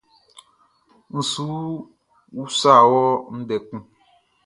N su usa wɔ ndɛ kun.